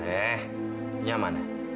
eh nyaman ya